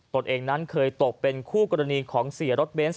ตนเองนั้นเคยตกเป็นคู่กรณีของเสียรถเบนส์